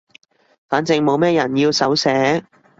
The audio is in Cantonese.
反正冇咩人要手寫